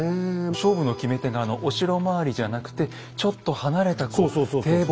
勝負の決め手がお城周りじゃなくてちょっと離れた堤防。